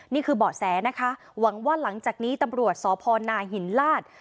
เบาะแสนะคะหวังว่าหลังจากนี้ตำรวจสพนาหินลาศ